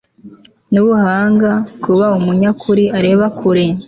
n'ubuhanga, kuba umunyakuri, areba kure